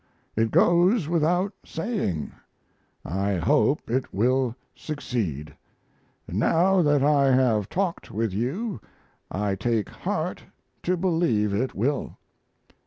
It goes without saying. I hope it will succeed, and now that I have talked with you I take heart to believe it will.